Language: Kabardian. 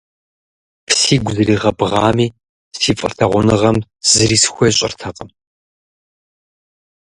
Сигу зригъэбгъами, си фӏылъагъуныгъэм зыри схуещӏэртэкъым.